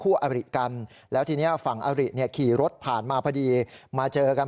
ส่วนคนเจ็บคนที่๒คือนายบีอายุ๑๕ปีอายุอย่างน้อยเหมือนกัน